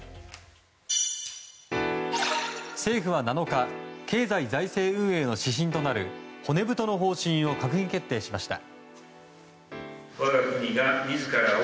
政府は７日経済財政運営の指針となる骨太の方針を閣議決定しました。